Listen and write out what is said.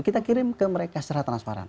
kita kirim ke mereka secara transparan